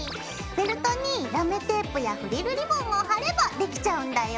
フェルトにラメテープやフリルリボンを貼ればできちゃうんだよ！